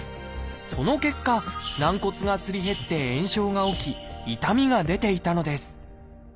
その結果軟骨がすり減って炎症が起き痛みが出ていたのです。